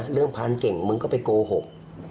เรื่องผ่านเก่งมึงไปโกหก